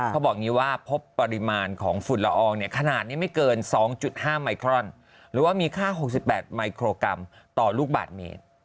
เขาบอกอย่างนี้ว่าพบปริมาณของฝุ่นละอองเนี่ยขนาดนี้ไม่เกิน๒๕ไมครอนหรือว่ามีค่า๖๘มิโครกรัมต่อลูกบาทเมตร